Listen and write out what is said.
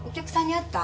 会った？